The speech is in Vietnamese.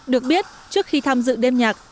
được biết trước khi tham dự đêm nhạc